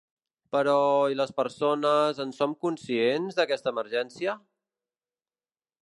Però, i les persones, en som conscients, d’aquesta emergència?